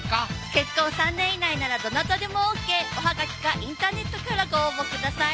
結婚３年以内ならどなたでもＯＫおはがきかインターネットからご応募ください